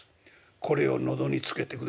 これを喉につけてください」。